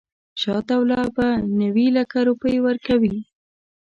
شجاع الدوله به نیوي لکه روپۍ ورکوي.